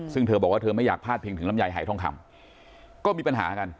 ซึ่งเธอบอกว่าเธอไม่อยากพลาดพิงถึงลำไยหายทองคำก็มีปัญหากัน